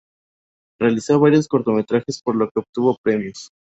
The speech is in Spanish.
Realizó varios cortometrajes por lo que obtuvo premios.